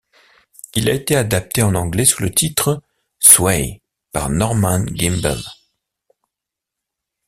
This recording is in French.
Il a été adapté en anglais sous le titre Sway par Norman Gimbel.